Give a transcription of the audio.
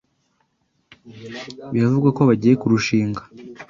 Biravugwa ko bagiye kurushinga.